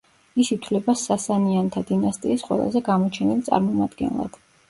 ის ითვლება სასანიანთა დინასტიის ყველაზე გამოჩენილ წარმომადგენლად.